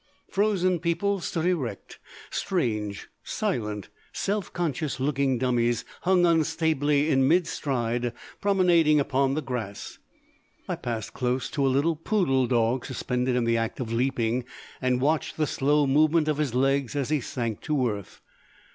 Frozen people stood erect, strange, silent, self conscious looking dummies hung unstably in mid stride, promenading upon the grass. I passed close to a little poodle dog suspended in the act of leaping, and watched the slow movement of his legs as he sank to earth.